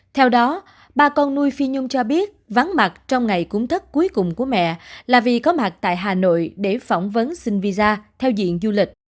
theo đó ba con nuôi phi nhung cho biết vắng mặt trong ngày cúng thất cuối cùng của mẹ là vì có mặt tại hà nội để phỏng vấn xin visa theo diện du lịch